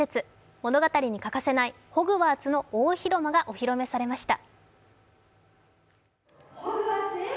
物語に欠かせないホグワーツの大広間がお披露目されました。